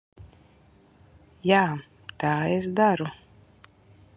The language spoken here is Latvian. Jā, tā es daru.